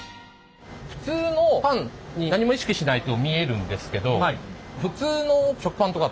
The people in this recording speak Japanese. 普通のパンに何も意識しないと見えるんですけど